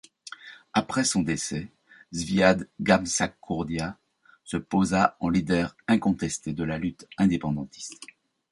Après son décès, Zviad Gamsakhourdia se posa en leader incontesté de la lutte indépendantiste.